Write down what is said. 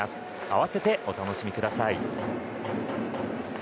併せてお楽しみください。